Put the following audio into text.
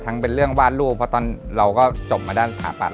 เป็นเรื่องวาดรูปเพราะตอนเราก็จบมาด้านสถาบัน